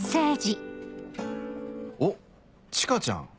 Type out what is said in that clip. おっ千佳ちゃん！